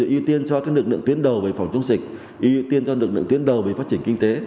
ưu tiên cho lực lượng tuyến đầu về phòng chống dịch ưu tiên cho lực lượng tuyến đầu về phát triển kinh tế